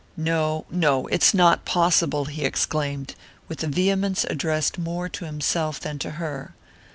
"No no, it's not possible!" he exclaimed, with a vehemence addressed more to himself than to her.